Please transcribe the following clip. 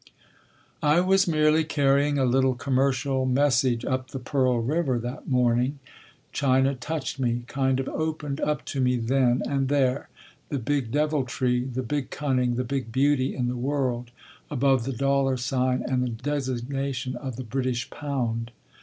"I was merely carrying a little commercial message up the Pearl River that morning. China touched me, kind of opened up to me then and there, the big deviltry, the big cunning, the big beauty in the world above the dollar sign and the designation of the British pound.